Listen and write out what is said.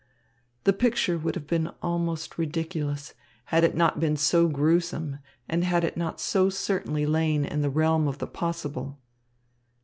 The picture would have been almost ridiculous, had it not been so gruesome and had it not so certainly lain in the realm of the possible.